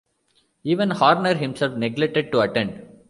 Even Horner himself neglected to attend.